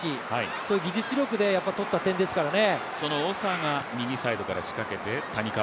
そういう技術力で取った点ですからね。